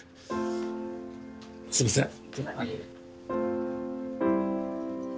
すいません。